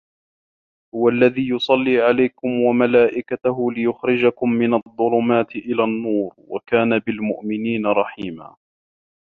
هُوَ الَّذي يُصَلّي عَلَيكُم وَمَلائِكَتُهُ لِيُخرِجَكُم مِنَ الظُّلُماتِ إِلَى النّورِ وَكانَ بِالمُؤمِنينَ رَحيمًا